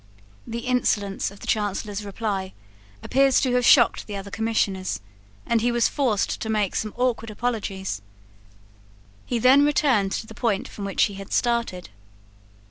The insolence of the Chancellor's reply appears to have shocked the other Commissioners, and he was forced to make some awkward apologies. He then returned to the point from which he had started.